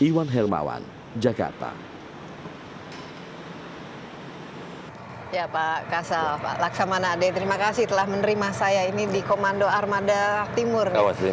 ya pak kasal pak laksamana ade terima kasih telah menerima saya ini di komando armada timur